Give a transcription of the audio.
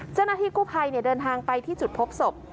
เจ้าหน้าที่กู้ภัยเดินทางไปที่จุดพบศพ